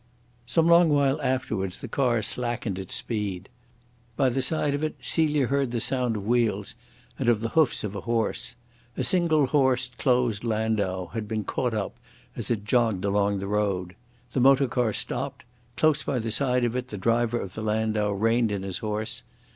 Some long while afterwards the car slackened its speed. By the side of it Celia heard the sound of wheels and of the hooves of a horse. A single horsed closed landau had been caught up as it jogged along the road. The motor car stopped; close by the side of it the driver of the landau reined in his horse.